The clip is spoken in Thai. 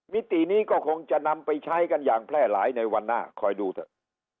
มิตินี้ก็คงจะนำไปใช้กันอย่างแพร่หลายในวันหน้าคอยดูเถอะ